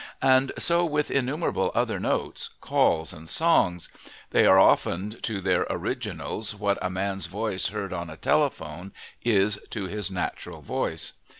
And so with innumerable other notes, calls, and songs they are often to their originals what a man's voice heard on a telephone is to his natural voice.